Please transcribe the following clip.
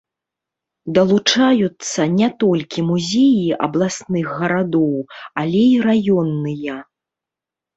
Далучаюцца не толькі музеі абласных гарадоў, але і раённыя.